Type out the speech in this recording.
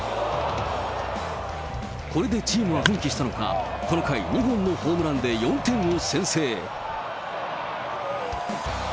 これでチームは奮起したのか、この回、２本のホームランで４点を先制。